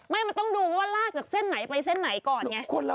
ไม่ต้องดูว่าลากจากเส้นไหนไปเส้นไหนก่อนไง